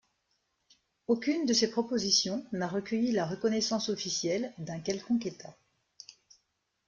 Aucune de ces propositions n'a recueilli la reconnaissance officielle d'un quelconque État.